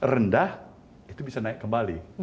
rendah itu bisa naik kembali